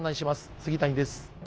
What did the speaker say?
杉谷です。